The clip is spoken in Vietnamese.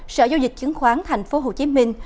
sở giao dịch chứng khoán thành phố hồ chí minh